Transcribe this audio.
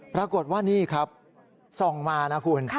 ปรากฏว่านี่ครับส่องมานะคุณ